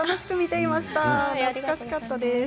懐かしかったです。